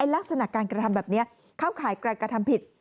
ลักษณะการกระทำแบบนี้เข้าข่ายการกระทำผิด